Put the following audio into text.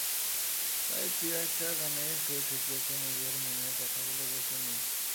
তাই প্রিয় একটা গানের সুর ঠিক রেখে নিজের মনের কথাগুলো বসিয়ে নিন।